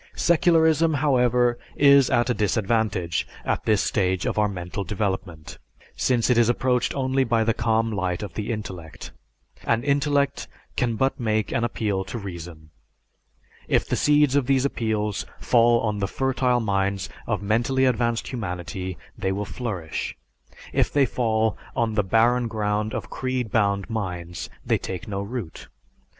Secularism, however, is at a disadvantage at this stage of our mental development, since it is approached only by the calm light of the intellect. And intellect can but make an appeal to reason. If the seeds of these appeals fall on the fertile minds of mentally advanced humanity, they will flourish; if they fall on the barren ground of creed bound minds, they take no root.